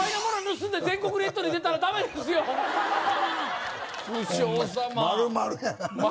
盗んで全国ネットで出たらダメですよ武将様ホンマ